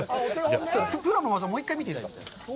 プロの技、もう一回見ていいですか。